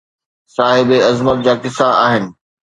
صاحبِ عظمت جا قصا آهن